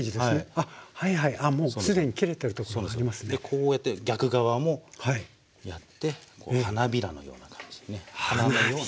でこうやって逆側もやってこう花びらのような感じにね花のような。